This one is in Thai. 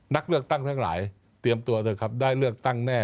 นักเลือกตั้งทั้งหลายเตรียมตัวเถอะครับได้เลือกตั้งแน่